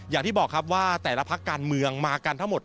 อย่างที่บอกครับว่าแต่ละพักการเมืองมากันทั้งหมด